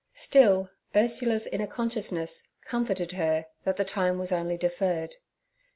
Still, Ursula's inner consciousness comforted her that the time was only deferred.